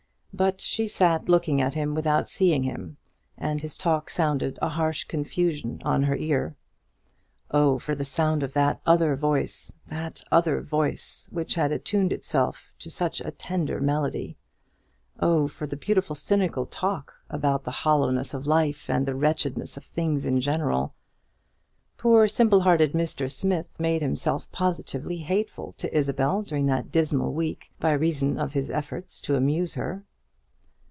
But she sat looking at him without seeing him, and his talk sounded a harsh confusion on her ear. Oh, for the sound of that other voice, that other voice, which had attuned itself to such a tender melody! Oh, for the beautiful cynical talk about the hollowness of life, and the wretchedness of things in general! Poor simple hearted Mr. Smith made himself positively hateful to Isabel during that dismal week by reason of his efforts to amuse her.